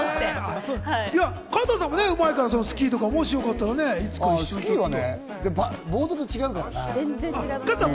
加藤さんもうまいからスキーとか、もしよかったらいつか。